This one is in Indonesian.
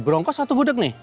berongkos satu gudeg nih